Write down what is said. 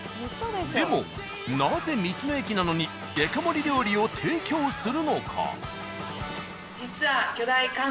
でもなぜ道の駅なのにデカ盛り料理を提供するのか？